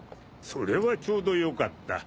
それはちょうどよかった。